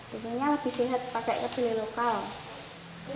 bumbunya lebih sehat pakai kedelai lokal